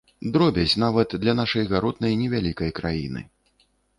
Дробязь нават для нашай гаротнай невялікай краіны.